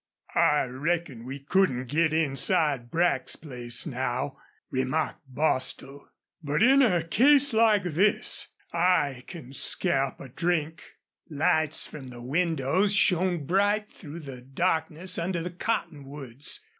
"I reckon we couldn't get inside Brack's place now," remarked Bostil. "But in a case like this I can scare up a drink." Lights from the windows shone bright through the darkness under the cottonwoods.